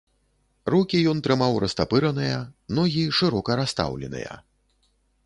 Рукі ён трымаў растапыраныя, ногі шырока расстаўленыя.